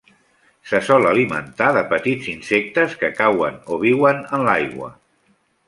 Se sol alimentar de petits insectes que cauen o viuen en l'aigua.